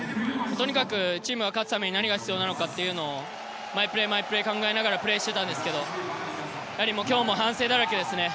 とにかくチームが勝つために何が必要なのかというのを毎プレー、考えながらプレーしていたんですが今日も反省だらけですね。